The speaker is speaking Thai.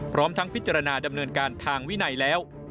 พร้อมทั้งพิจารณาดำเนินการทางวินัยแล้ว